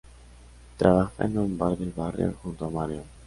Trabaja en un bar del barrio junto a Mario.